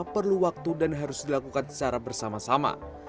perlu waktu dan harus dilakukan secara bersama sama